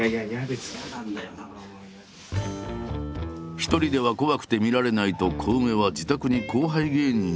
一人では怖くて見られないとコウメは自宅に後輩芸人を呼んだ。